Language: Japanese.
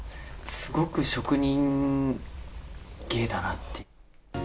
すごく職人芸だなって。